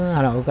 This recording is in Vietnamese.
ở hà nội